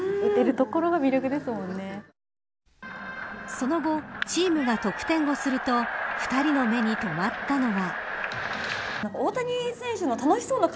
その後、チームが得点をすると２人の目にとまったのは。